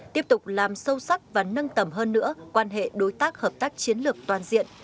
tiếp tục làm sâu sắc và nâng tầm hơn nữa quan hệ đối tác hợp tác chiến lược toàn diện